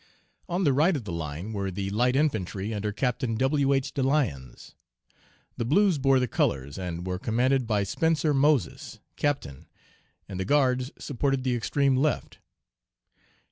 "On the right of the line were the Light Infantry under Captain W. H. DeLyons. The Blues bore the colors, and were commanded by Spencer Moses, Captain, and the Guards supported the extreme left.